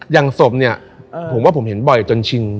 อย่างศพเนี่ยผมว่าผมเห็นบ่อยจนชิง